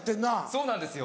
そうなんですよ。